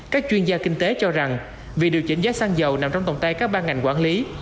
các chuyên gia kinh tế cho rằng việc điều chỉnh giá xăng dầu nằm trong tổng tay các ban ngành quản lý